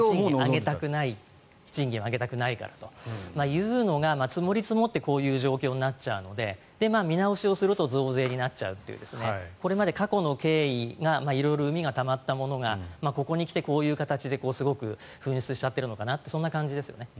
賃金を上げたくないからというのが積もり積もってこういう状況になっているので見直しをすると増税になるというのでこれまで過去の経緯が色々うみがたまったものがここにきてこういう形ですごく噴出しちゃってるのかなとそういう感じですよね。